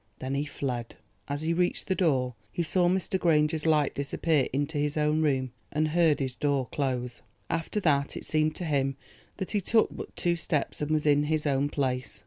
Then he fled. As he reached the door he saw Mr. Granger's light disappear into his own room and heard his door close. After that it seemed to him that he took but two steps and was in his own place.